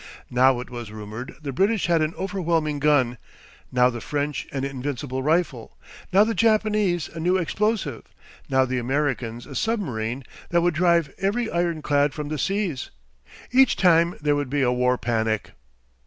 Now it was rumoured the British had an overwhelming gun, now the French an invincible rifle, now the Japanese a new explosive, now the Americans a submarine that would drive every ironclad from the seas. Each time there would be a war panic.